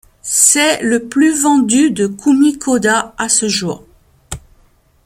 C'est le le plus vendu de Kumi Kōda à ce jour.